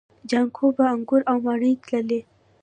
جانکو به انګور او مڼې تللې.